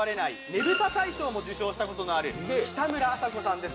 ねぶた大賞も受賞したことのある北村麻子さんです。